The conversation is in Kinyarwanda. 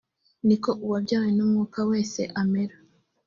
ni ko uwabyawe n’umwuka wese amera